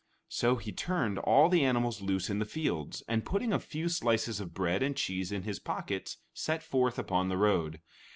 So he turned all the animals loose in the fields, and putting a few slices of bread and cheese in his pockets, set forth upon the road.